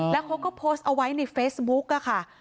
แล้วเขาก็โพสต์เอาไว้ในเฟซบุ๊กค่ะ